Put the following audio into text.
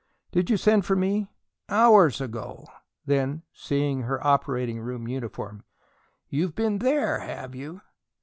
"Did you send for me?" "Hours ago." Then, seeing her operating room uniform: "You've been THERE, have you?"